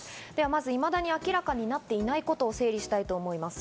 まだ、いまだに明らかになっていないことがあります。